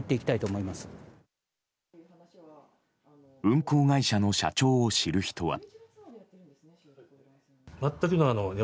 運航会社の社長を知る人は。